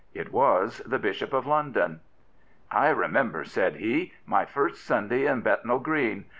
It was the Bishop of London. I remember,*' said he, " my first Sunday in Bethnal Green.